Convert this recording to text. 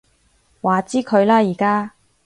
話之佢啦而家